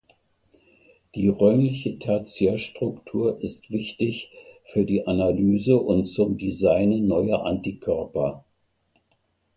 Die (räumliche) Tertiärstruktur ist wichtig für die Analyse und zum Designen neuer Antikörper.